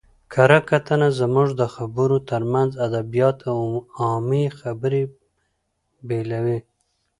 کره کتنه زموږ د خبرو ترمنځ ادبیات او عامي خبري بېلوي.